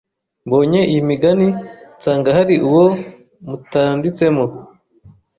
Mbonye iyi migani nsanga hari uwo mutandiitsemo